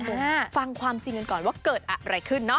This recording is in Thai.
เดี๋ยวฟังความจริงกันก่อนว่าเกิดอะไรขึ้นเนอ